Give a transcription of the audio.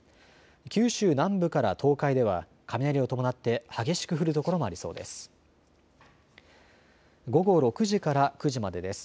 九州南部から東海では雷を伴って激しく降る所もありそうです。